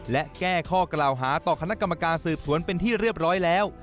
และแก้ข้อกล่าวหาต่อคณะกรรมการสืบสวนเป็นที่เรียบร้อยแล้ว